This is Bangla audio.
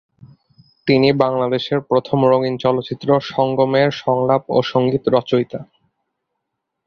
তিনি বাংলাদেশের প্রথম রঙিন চলচ্চিত্র "সঙ্গম" এর সংলাপ ও সঙ্গীত রচয়িতা।